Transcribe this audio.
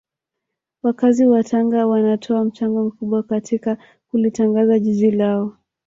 Wakazi wa Tanga wanatoa mchango mkubwa katika kulitangaza jiji lao